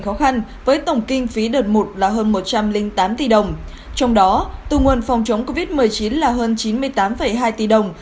khó khăn với tổng kinh phí đợt một là hơn một trăm linh tám tỷ đồng trong đó từ nguồn phòng chống covid một mươi chín là hơn chín mươi tám hai tỷ đồng